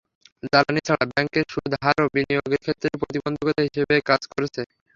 জ্বালানি ছাড়া ব্যাংকের সুদের হারও বিনিয়োগের ক্ষেত্রে প্রতিবন্ধকতা হিসেবে কাজ করছে।